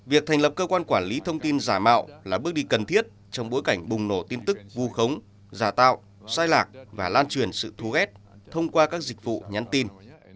việc thành lập cơ quan quản lý thông tin giả mạo là bước đi cần thiết trong bối cảnh bùng nổ tin tức vù khống giả tạo sai lạc và lan truyền sự thu ghét thông qua các dịch vụ nhắn tin